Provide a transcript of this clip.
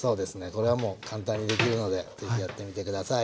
これはもう簡単にできるのでぜひやってみて下さい。